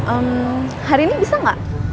ehm hari ini bisa gak